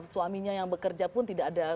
suaminya yang bekerja pun tidak ada